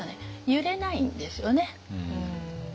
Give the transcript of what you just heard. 揺れないんですよね。